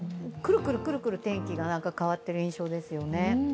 くるくる天気が変わってる印象ですよね。